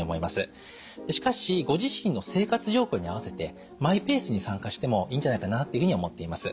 しかしご自身の生活状況に合わせてマイペースに参加してもいいんじゃないかなっていうふうに思っています。